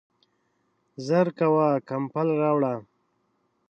ژر کوه ، کمپل راوړه !